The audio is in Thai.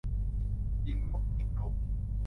ยิงนกในกรง